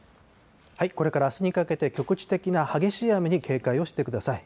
これからあすにかけて、局地的な激しい雨に警戒をしてください。